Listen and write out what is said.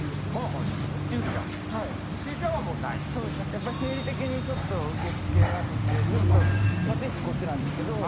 やっぱり生理的にちょっと受け付けなくてずっと立ち位置こっちなんですけど